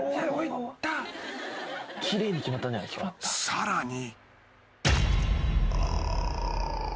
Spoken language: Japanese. ［さらに］